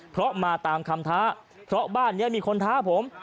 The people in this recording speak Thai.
เพราะมาตามคำท้าเพราะบ้านนี้มีคนท้าผม